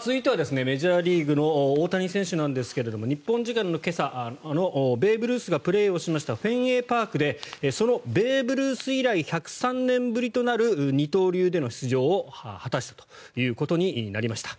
続いてはメジャーリーグの大谷選手なんですが日本時間の今朝ベーブ・ルースがプレーをしたフェンウェイパークでそのベーブ・ルース以来１０３年ぶりとなる二刀流での出場を果たしたということになりました。